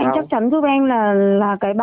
nhầm phôi á